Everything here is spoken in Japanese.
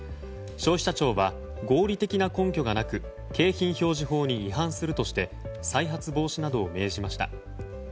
消費者庁は合理的な根拠がなく景品表示法に違反するとして再発防止などを命じました。